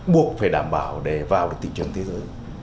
buộc phải đảm bảo để vào được thị trường thế giới